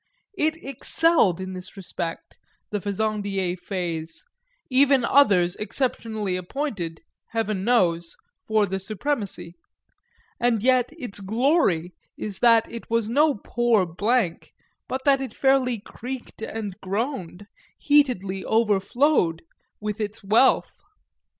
It excelled in this respect, the Fezandié phase, even others exceptionally appointed, heaven knows, for the supremacy; and yet its glory is that it was no poor blank, but that it fairly creaked and groaned, heatedly overflowed, with its wealth.